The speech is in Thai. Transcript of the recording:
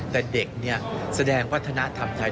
แต่เด็กแสดงวัฒนธรรมไทย